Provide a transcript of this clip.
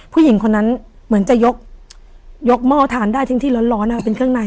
ผู้หญิงคนนั้นเหมือนจะยกหม้อทานได้ทั้งที่ร้อนเป็นเครื่องใน